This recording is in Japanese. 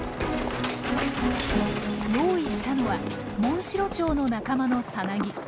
用意したのはモンシロチョウの仲間の蛹。